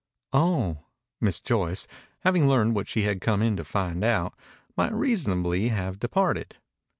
"Oh!" Miss Joyce, having learned what she had come in to find out, might reasonably have departed.